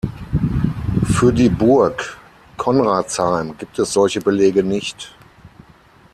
Für die Burg Konradsheim gibt es solche Belege nicht.